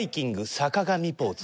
坂上ポーズ。